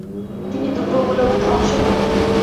তিনি দুর্গগুলো ধ্বংস করেন।